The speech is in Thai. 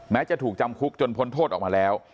จะถูกจำคุกจนพ้นโทษออกมาแล้ว